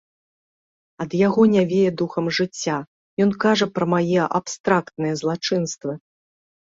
Ад яго не вее духам жыцця, ён кажа пра мае абстрактныя злачынствы.